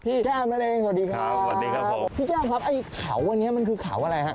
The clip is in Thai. พี่แก้มสวัสดีครับครับพี่แก้มครับไอ้เขาวันนี้มันคือเขาอะไรครับ